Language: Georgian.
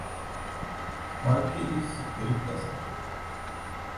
მან კი ის სიკვდილით დასაჯა.